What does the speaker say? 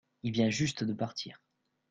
il vient juste de partir.